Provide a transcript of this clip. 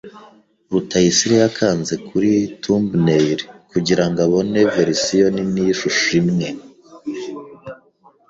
Rutayisire yakanze kuri thumbnail kugirango abone verisiyo nini yishusho imwe.